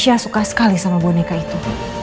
saya suka sekali sama boneka itu